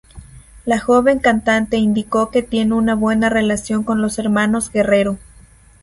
La joven cantante indicó que tiene una buena relación con los hermanos Guerrero.